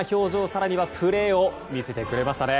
更にはプレーを見せてくれましたね。